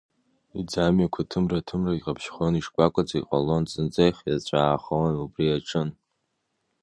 Иӡамҩақәа ҭымра-ҭымра иҟаԥшьхон, ишкәакәаӡа иҟалон, зынӡа ихиаҵәаахон убри иаҿын.